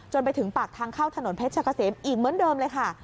ไปถึงปากทางเข้าถนนเพชรกะเสมอีกเหมือนเดิมเลยค่ะ